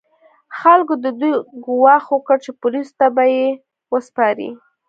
خلکو د دوی ګواښ وکړ چې پولیسو ته به یې وسپاري.